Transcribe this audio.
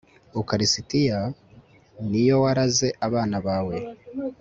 ukarisitiya, ni yo waraze abana bawe